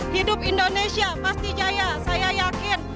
hidup indonesia pasti jaya saya yakin